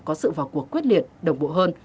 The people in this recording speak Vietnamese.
có sự vào cuộc quyết liệt đồng bộ hơn